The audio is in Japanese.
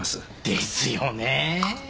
ですよね。